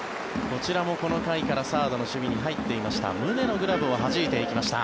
こちらもこの回からサードの守備に入っていました宗のグラブをはじいていきました。